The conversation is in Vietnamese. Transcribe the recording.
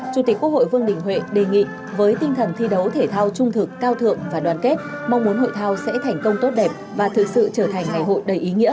chủ tịch quốc hội vương đình huệ đề nghị với tinh thần thi đấu thể thao trung thực cao thượng và đoàn kết mong muốn hội thao sẽ thành công tốt đẹp và thực sự trở thành ngày hội đầy ý nghĩa